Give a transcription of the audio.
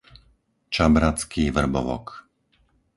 Čabradský Vrbovok